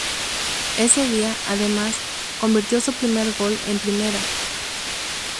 Ese día, además, convirtió su primer gol en Primera.